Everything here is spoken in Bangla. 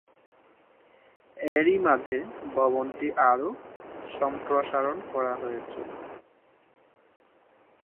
এরই মাঝে ভবনটি আরও সম্প্রসারণ করা হয়েছিল।